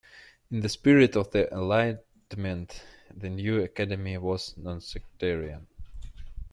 In the spirit of the Enlightenment the new academy was nonsectarian.